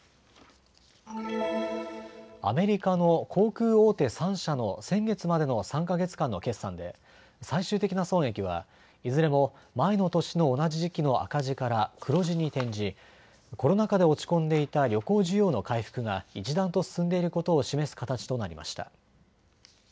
アメリカの航空大手３社の先月までの３か月間の決算で最終的な損益はいずれも前の年の同じ時期の赤字から黒字に転じコロナ禍で落ち込んでいた旅行需要の回復が一段と進んでいることを示す形となりました。